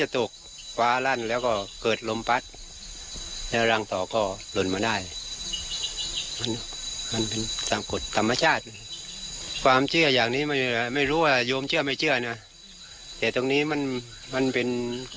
แต่ตรงนี้มันเป็น